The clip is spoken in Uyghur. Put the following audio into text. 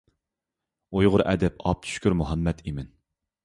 ئۇيغۇر ئەدىب ئابدۇشۈكۈر مۇھەممەتئىمىن.